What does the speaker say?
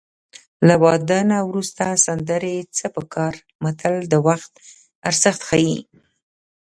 له واده نه وروسته سندرې څه په کار متل د وخت ارزښت ښيي